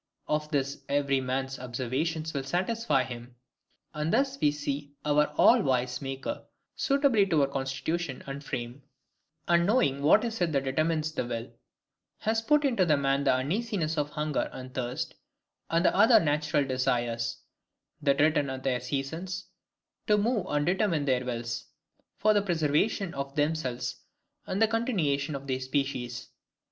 Of this every man's observation will satisfy him. And thus we see our all wise Maker, suitably to our constitution and frame, and knowing what it is that determines the will, has put into man the uneasiness of hunger and thirst, and other natural desires, that return at their seasons, to move and determine their wills, for the preservation of themselves, and the continuation of their species.